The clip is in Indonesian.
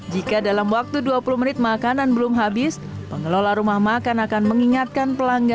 jika dalam waktu dua puluh menit makanan belum habis pengelola rumah makan akan mengingatkan pelanggan